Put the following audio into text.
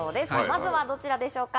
まずはどちらでしょうか？